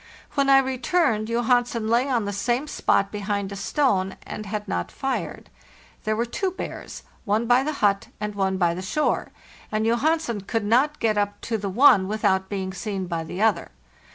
When I returned, Johansen lay on the same spot behind a stone, and had not fired. There were two bears, one by the hut and one by the shore; and Johansen could not get up to the one without being seen by the other.